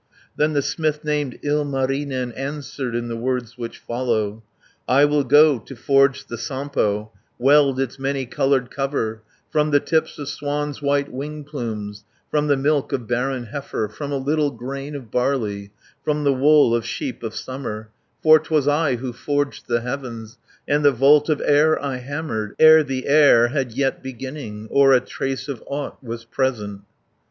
Then the smith named Ilmarinen Answered in the words which follow: 270 "I will go to forge the Sampo, Weld its many coloured cover, From the tips of swans' white wing plumes, From the milk of barren heifer, From a little grain of barley, From the wool of sheep of summer, For 'twas I who forged the heavens, And the vault of air I hammered, Ere the air had yet beginning, Or a trace of aught was present."